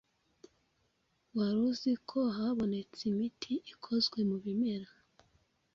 wari uzi ko habonetse imiti ikozwe mu bimera